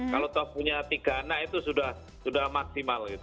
kalau toh punya tiga anak itu sudah maksimal gitu